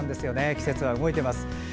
季節は動いています。